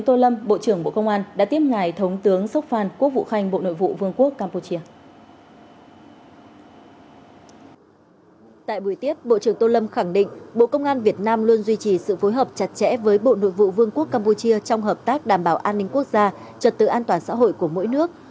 tại buổi tiếp bộ trưởng tô lâm khẳng định bộ công an việt nam luôn duy trì sự phối hợp chặt chẽ với bộ nội vụ vương quốc campuchia trong hợp tác đảm bảo an ninh quốc gia trật tự an toàn xã hội của mỗi nước